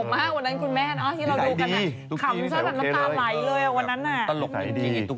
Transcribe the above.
เพราะว่าคุณปัญญาก็มาคุยกับพี่ตุ๊กกี้ว่าเราอยากให้โอกาสลองเด็กใหม่มามีบทบาท